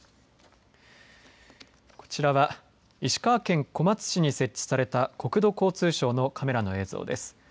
こちらは石川県小松市に設置された国土交通省のカメラの映像です。